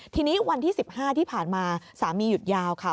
ทีนี้วันที่๑๕ที่ผ่านมาสามีหยุดยาวค่ะ